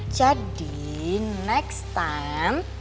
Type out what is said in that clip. jadi next time